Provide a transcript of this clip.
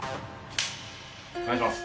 お願いします。